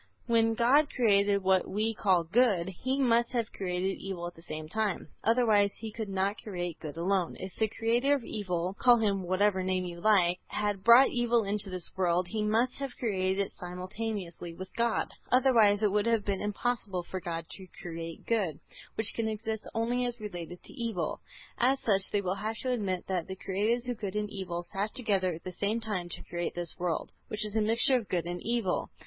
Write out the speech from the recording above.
When God created what we call good, He must have created evil at the same time, otherwise He could not create good alone. If the creator of evil, call him by whatever name you like, had brought evil into this world, he must have created it simultaneously with God; otherwise it would have been impossible for God to create good, which can exist only as related to evil. As such they will have to admit that the Creators of good and evil sat together at the same time to create this world, which is a mixture of good and evil.